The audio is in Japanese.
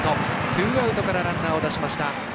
ツーアウトからランナー出しました。